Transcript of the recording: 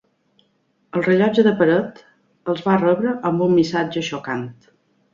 El rellotge de paret els va rebre amb un missatge xocant.